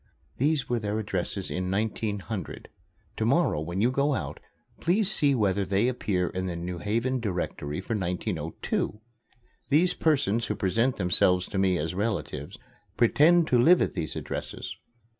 These were their addresses in 1900. To morrow, when you go out, please see whether they appear in the New Haven Directory for 1902. These persons who present themselves to me as relatives pretend to live at these addresses.